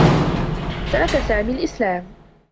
ترك سامي الإسلام.